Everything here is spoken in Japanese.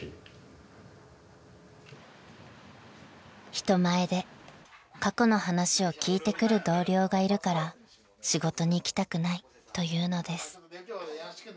［人前で過去の話を聞いてくる同僚がいるから仕事に行きたくないというのです］